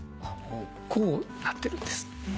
こうなってるんです。